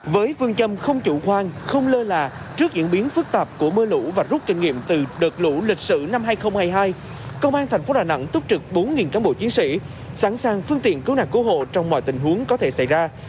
với phương châm không chủ khoan không lơ là trước diễn biến phức tạp của mưa lũ và rút kinh nghiệm từ đợt lũ lịch sử năm hai nghìn hai mươi hai công an thành phố đà nẵng túc trực bốn cán bộ chiến sĩ sẵn sàng phương tiện cứu nạn cứu hộ trong mọi tình huống có thể xảy ra